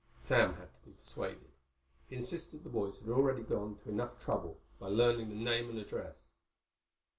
Sam had to be persuaded. He insisted the boys had already gone to enough trouble, by learning the name and address.